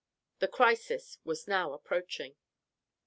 The crisis was now approaching.